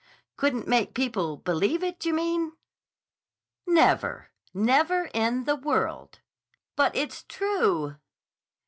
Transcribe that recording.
"Couldn't make people believe it, you mean?" "Never. Never in the world!" "But it's _true!